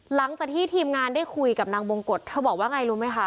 หลังจากที่ทีมงานได้คุยกับนางบงกฎเธอบอกว่าไงรู้ไหมคะ